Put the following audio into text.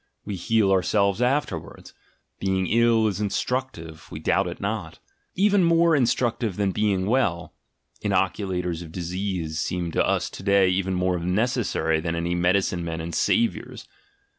We heal ourselves afterwards: being ill is instruc tive, we doubt it not, even more instructive than being well — inoculators of disease seem to us to day even more necessary than any medicine men and "saviours."